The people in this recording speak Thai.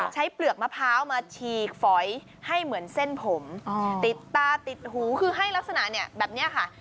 เปลือกมะพร้าวมาฉีกฝอยให้เหมือนเส้นผมติดตาติดหูคือให้ลักษณะเนี่ยแบบนี้ค่ะ